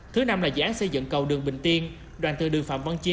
thứ năm là dự án xây dựng cầu đường bình tiên đoàn từ đường phạm văn chí